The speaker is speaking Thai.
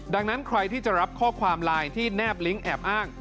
ดังนั้นใครที่จะรับข้อความไลน์ที่แนบลิงก์แอบอ้าง